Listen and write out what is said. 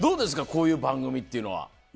こういう番組っていうのは。